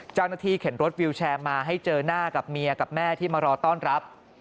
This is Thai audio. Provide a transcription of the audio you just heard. เข็นรถวิวแชร์มาให้เจอหน้ากับเมียกับแม่ที่มารอต้อนรับ